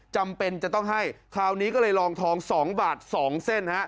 จำเป็นจะต้องให้คราวนี้ก็เลยลองทอง๒บาท๒เส้นฮะ